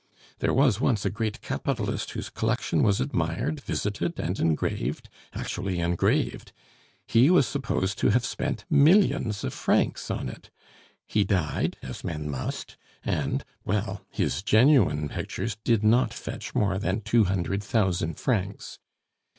There was once a great capitalist whose collection was admired, visited, and engraved actually engraved! He was supposed to have spent millions of francs on it. He died, as men must, and well, his genuine pictures did not fetch more than two hundred thousand francs!